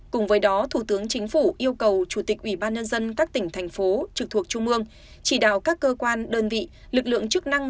cùng với đó thủ tướng chính phủ yêu cầu chủ tịch ủy ban nhân dân các tỉnh thành phố trực thuộc trung mương chỉ đạo các cơ quan đơn vị lực lượng chức năng